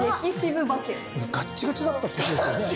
ガッチガチだったってことですよね。